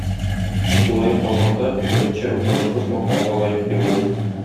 Тулаем алганда, беренче омтылышыбыз мактауга лаек, дип уйлыйм.